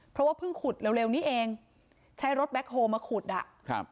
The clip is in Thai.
เพราะว่าเพิ่งขุดเร็วเร็วนี้เองใช้รถแบ็คโฮลมาขุดอ่ะครับ